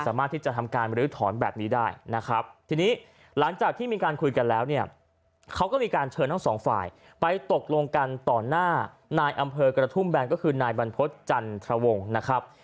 สามารถที่จะทำการบรื้อถอนแบบนี้ได้นะครับทีนี้หลังจากที่มีการคุยกันแล้วเนี่ยเขาก็มีการเชิญทั้งสองฝ่ายไปตกลงกันต่อหน้านายอำเภอกระทุ่มแบนก็คือนายบรรพฤษจันทรวงนะครับ